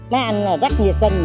mấy anh là rất nhiệt tình